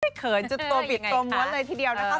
เขินจนตัวบิดตัวม้วนเลยทีเดียวนะคะ